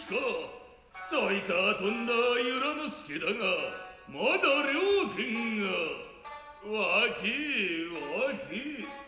そいつァ飛んだ由良之助だがまだ了簡が若え若え。